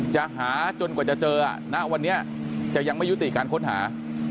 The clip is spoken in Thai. จะหาจนกว่าจะเจอณวันนี้จะยังไม่ยุติการค้นหา